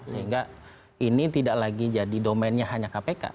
sehingga ini tidak lagi jadi domennya hanya kpk